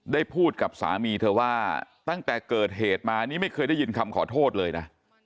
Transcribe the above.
ได้พูดกับสามีเธอว่าตั้งแต่เกิดเหตุมานี่ไม่เคยได้ยินคำขอโทษเลยนะ